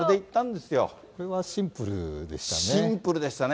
これはシンプルでしたね。